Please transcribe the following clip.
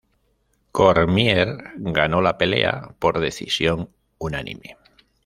Cormier ganó la pelea por decisión unánime.